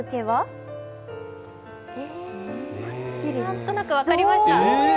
何となく分かりました、